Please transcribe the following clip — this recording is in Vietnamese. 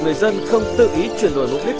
người dân không tự ý truyền đổi lúc đích